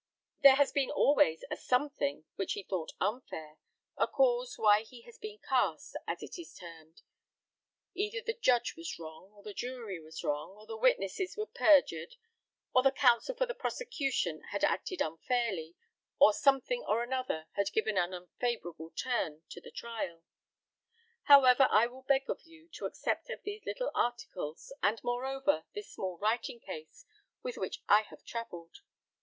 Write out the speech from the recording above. There has been always a something which he thought unfair a cause why he had been cast, as it is termed; either the judge was wrong, or the jury was wrong, or the witnesses were perjured, or the counsel for the prosecution had acted unfairly, or something or another had given an unfavourable turn to the trial. However, I will beg of you to accept of these little articles, and moreover, this small writing case, with which I have travelled.